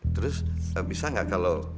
terus bisa gak kalo